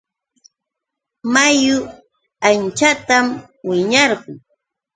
Mayu anchatam wiñarqun.